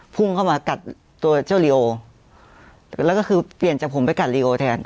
พุ่งเข้ามากัดตัวเจ้าลีโอแล้วก็คือเปลี่ยนจากผมไปกัดลีโอแทน